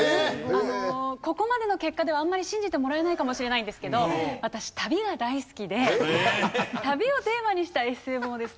あのここまでの結果ではあんまり信じてもらえないかもしれないんですけど私旅が大好きで旅をテーマにしたエッセイ本をですね